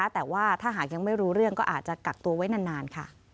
แต่ว่าถ้าหากยังไม่รู้เรื่องก็อาจจะกักตัวไว้นานค่ะ